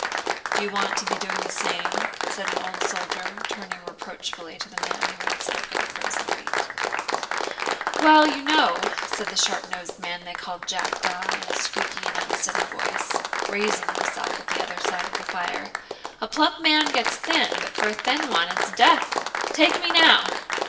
"Do you want to be doing the same?" said an old soldier, turning reproachfully to the man who had spoken of frozen feet. "Well, you know," said the sharp nosed man they called Jackdaw in a squeaky and unsteady voice, raising himself at the other side of the fire, "a plump man gets thin, but for a thin one it's death. Take me, now!